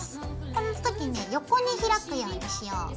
このときね横に開くようにしよう。